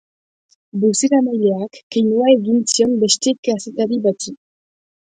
Bozeramaileak keinua egin zion beste kazetari bati.